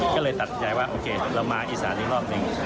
ก็เลยตัดสินใจว่าโอเคเรามาอีสานอีกรอบหนึ่ง